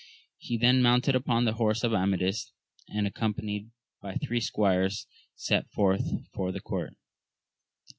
He then mounted upon the horse of Amadis, and, accompanied by three squires set forth, for the court.